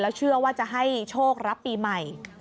เชื่อว่าจะให้โชครับปีใหม่